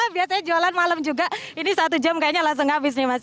biasanya jualan malam juga ini satu jam kayaknya langsung habis nih mas